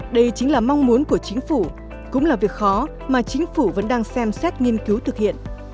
đây chính là mong muốn của chính phủ cũng là việc khó mà chính phủ vẫn đang xem xét nghiên cứu thực hiện